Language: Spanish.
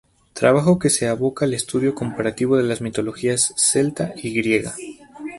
Trabajo que se avoca al estudio comparativo de las mitologías celta y griega.